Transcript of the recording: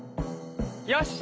よし。